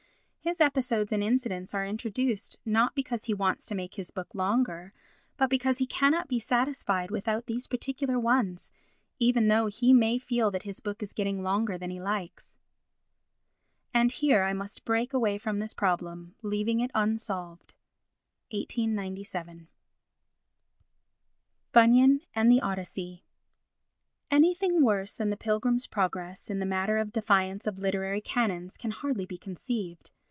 His episodes and incidents are introduced not because he wants to make his book longer but because he cannot be satisfied without these particular ones, even though he may feel that his book is getting longer than he likes. ... And here I must break away from this problem, leaving it unsolved. [1897.] Bunyan and the Odyssey Anything worse than The Pilgrim's Progress in the matter of defiance of literary canons can hardly be conceived.